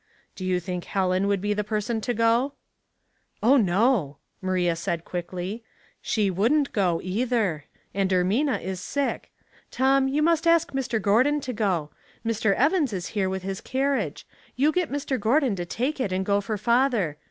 *' Do you think Helen would be the person to go? "" Oil, no," Maria said quickly. " She wouldn't go, either; and Ermina is sick. Tom, you must ask Mr. Gordon to go. Mr. Evans is here with his carriage. You get Mr. Gordon to take it and go for father.